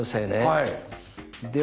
はい。